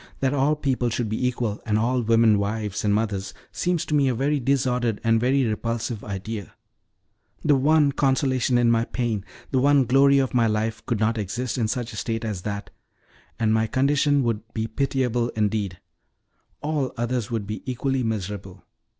That all people should be equal, and all women wives and mothers seems to me a very disordered and a very repulsive idea The one consolation in my pain, the one glory of my life could not exist in such a state as that, and my condition would be pitiable indeed. All others would be equally miserable.